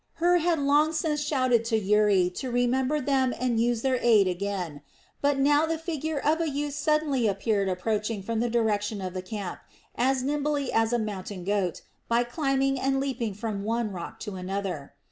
Hur had long since shouted to Uri to remember them and use their aid again; but now the figure of a youth suddenly appeared approaching from the direction of the camp as nimbly as a mountain goat, by climbing and leaping from one rock to another.